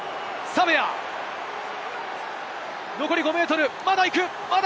残り５ｍまで行く！